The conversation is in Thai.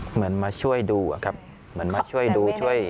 เหมือนมาช่วยดูอะครับเหมือนมาช่วยดูช่วย